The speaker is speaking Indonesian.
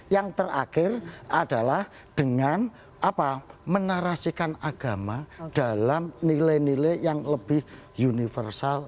yang terakhir adalah dengan menarasikan agama dalam nilai nilai yang lebih universal